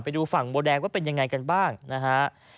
ไปดูฝั่งบัวแดงว่าเป็นยังไงกันบ้างนะฮะ